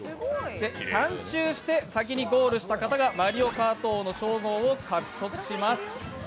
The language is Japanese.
３周して先にゴールした方がマリオカート王の称号を獲得します。